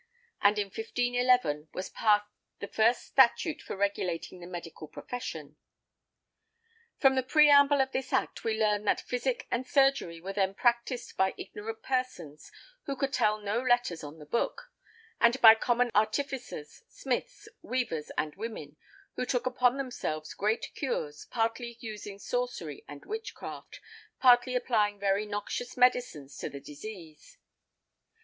And in 1511 was passed the first |8| statute for regulating the medical profession . From the preamble of this Act we learn that physic and surgery were then practised by "ignorant persons, who could tell no letters on the book, and by common artificers, smiths, weavers, and women, who took upon themselves great cures, partly using sorcery and witchcraft, partly applying very noxious medicines to the disease."